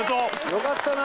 よかったな！